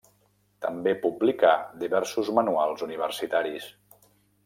També publicà diversos manuals universitaris.